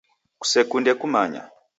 Kusekunde kumanya.